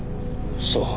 そう。